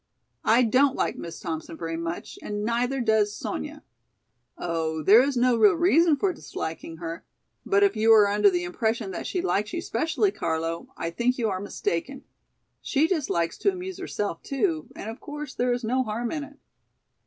I don't like Miss Thompson very much and neither does Sonya. Oh, there is no real reason for disliking her! But if you are under the impression that she likes you specially, Carlo, I think you are mistaken. She just likes to amuse herself too, and of course there is no harm in it."